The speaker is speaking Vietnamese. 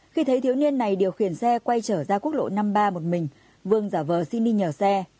khi thấy thiếu niên này điều khiển xe quay trở ra quốc lộ năm mươi ba một mình vương giả vờ xin đi nhờ xe